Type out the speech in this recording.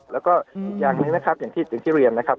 แล้วก็อีกอย่างหนึ่งนะครับอย่างที่เรียนนะครับ